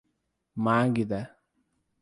Magda